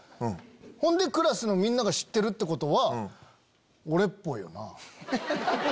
ほんでクラスのみんなが知ってるってことは俺っぽいよな。